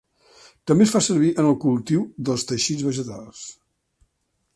També es fa servir en el cultiu dels teixits vegetals.